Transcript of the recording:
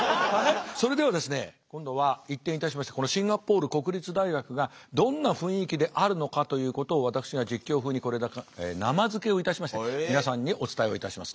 それではですね今度は一転いたしましてこのシンガポール国立大学がどんな雰囲気であるのかということを私が実況風に生付けをいたしまして皆さんにお伝えをいたします。